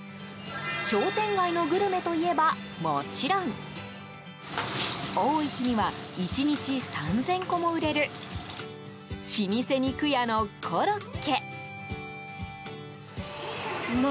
商店街のグルメといえばもちろん多い日には１日３０００個も売れる老舗肉屋のコロッケ。